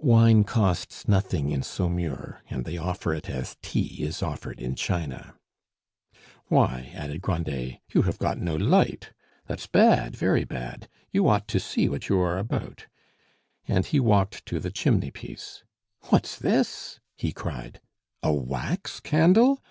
(Wine costs nothing in Saumur, and they offer it as tea is offered in China.) "Why!" added Grandet, "you have got no light! That's bad, very bad; you ought to see what you are about," and he walked to the chimney piece. "What's this?" he cried. "A wax candle!